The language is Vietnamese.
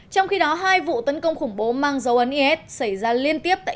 trong khi đó hai vụ tấn công khủng bố mang dấu ấn is xảy ra liên tiếp tại